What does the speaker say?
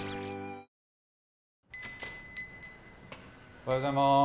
おはようございます。